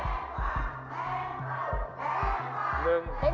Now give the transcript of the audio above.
เท่น๑อ่ะพี่